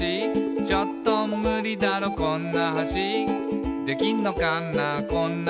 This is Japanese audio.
「ちょっとムリだろこんな橋」「できんのかなこんな橋」